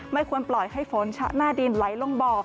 ไม่ควรปล่อยให้ฝนชะหน้าดินไหลลงบ่อ